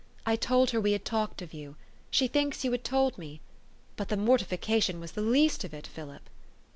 " I told her we had talked of you. She thinks you had told me. But the mortification was the least of it, Philip."